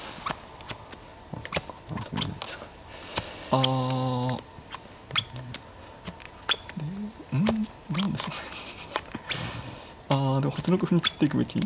ああでも８六歩打ってくべき。